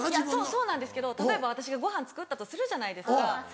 そうなんですけど例えば私がごはん作ったとするじゃないですか。